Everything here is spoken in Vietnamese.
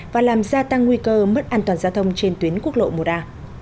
và làm gia tăng nguy cơ mất an toàn giao thông trên tuyến quốc lộ một a